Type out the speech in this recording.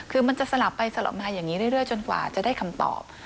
คือมันจะสลับไปสลับมาอย่างนี้เรื่อยจนกว่าจะได้คำตอบ